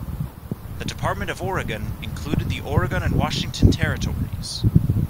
The Department of Oregon included the Oregon and Washington Territories.